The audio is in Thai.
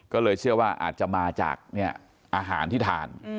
ก็เลยเชื่อว่าอาจจะมาจากอาหารที่ทาน